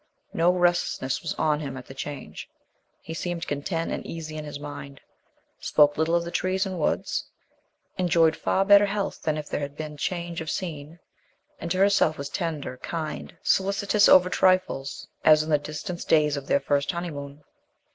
No restlessness was on him at the change; he seemed content and easy in his mind; spoke little of the trees and woods; enjoyed far better health than if there had been change of scene, and to herself was tender, kind, solicitous over trifles, as in the distant days of their first honeymoon.